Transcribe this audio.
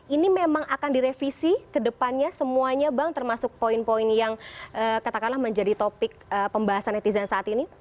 ini memang akan direvisi kedepannya semuanya bang termasuk poin poin yang katakanlah menjadi topik pembahasan netizen saat ini